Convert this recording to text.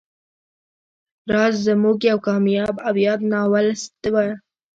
راز زموږ یو کامیاب او یاد ناولسټ و